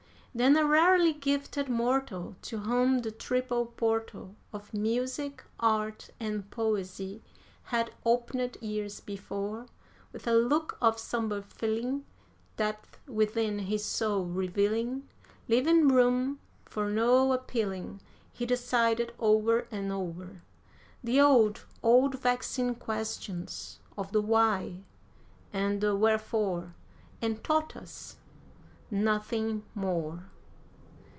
Then a rarely gifted mortal, to whom the triple portal Of Music, Art, and Poesy had opened years before, With a look of sombre feeling, depths within his soul revealing, Leaving room for no appealing, he decided o'er and o'er The old, old vexing questions of the why and the wherefore, And taught us nothing more.